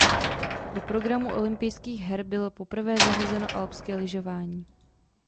Do programu olympijských her bylo poprvé zařazeno alpské lyžování.